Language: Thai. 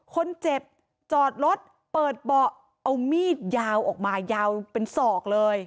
คนเจ็บจอดรถเปิดเบาะเอามีดยาวออกมายาวเป็นศอกเลย